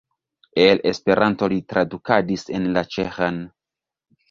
El Esperanto li tradukadis en la ĉeĥan.